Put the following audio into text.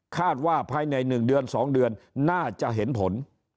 คาดว่าภายใน๑เดือน๒เดือนน่าจะเห็นผล